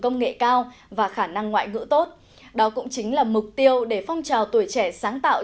công nghệ cao và khả năng ngoại ngữ tốt đó cũng chính là mục tiêu để phong trào tuổi trẻ sáng tạo